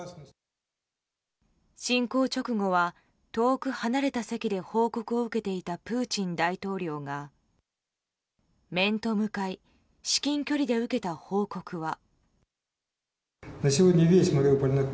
侵攻直後は遠く離れた席で報告を受けていたプーチン大統領が、面と向かい至近距離で受けた報告は。